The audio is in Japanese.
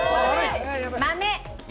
豆。